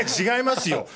違いますよ。